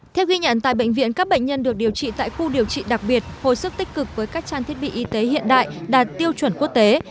theo ghi nhận tại bệnh viện các bệnh nhân được điều trị tại khu điều trị đặc biệt hồi sức tích cực với các trang thiết bị y tế hiện đại đạt tiêu chuẩn quốc tế